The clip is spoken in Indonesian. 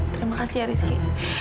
terima kasih rizky